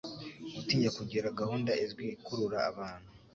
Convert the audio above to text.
gutinya kugira gahunda izwi ikurura abantu